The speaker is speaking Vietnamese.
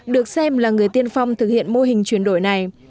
được xem là người tiên phong thực hiện mô hình chuyển đổi này